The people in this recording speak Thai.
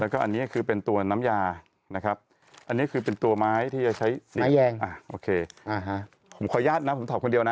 แล้วก็อันนี้ก็คือเป็นตัวน้ำยานะครับอันนี้ก็เป็นตัวไม้ที่จะใช้